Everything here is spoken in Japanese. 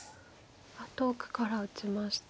遠くから打ちました。